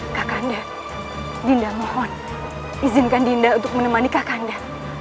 kakanda dinda mohon izinkan dinda untuk menemani kakanda